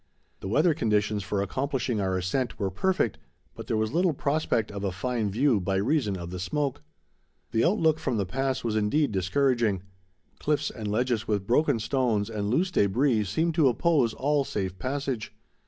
The weather conditions for accomplishing our ascent were perfect, but there was little prospect of a fine view by reason of the smoke. The outlook from the pass was indeed discouraging. Cliffs and ledges with broken stones and loose debris seemed to oppose all safe passage.